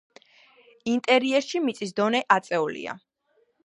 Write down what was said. ინტერიერში მიწის დონე აწეულია.